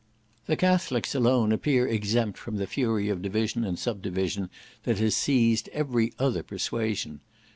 The Catholics alone appear exempt from the fury of division and sub division that has seized every other persuasion.